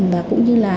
và cũng như là